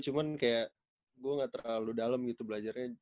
cuman kayak gue gak terlalu dalam gitu belajarnya